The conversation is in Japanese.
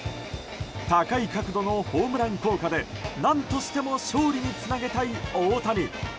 高い角度のホームラン効果で何としても勝利につなげたい大谷。